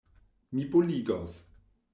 Mi boligos!